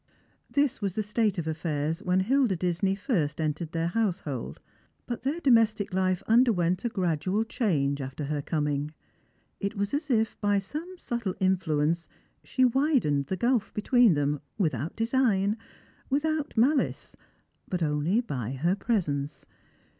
This was the state of affairs when Hilda Disney first entered their household ; but their domestic Ufe underwent a gradual change after her coming. It was as if by some subtle influence she widened the gulf between them, without design, without malice, but only by her presence.